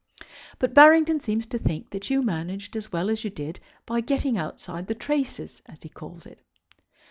But Barrington seems to think that you managed as well as you did by getting outside the traces, as he calls it.